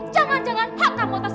jangan jangan hak kamu tak sengaja